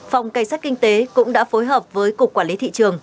phòng cảnh sát kinh tế cũng đã phối hợp với cục quản lý thị trường